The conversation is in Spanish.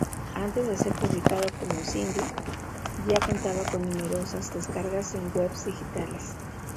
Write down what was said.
Antes de ser publicado como single ya contaba con numerosas descargas en webs digitales.